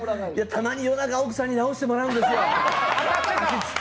たまに夜中、奥さんに治してもらうんですよ。